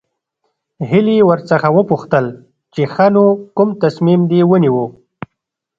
هيلې ورڅخه وپوښتل چې ښه نو کوم تصميم دې ونيو.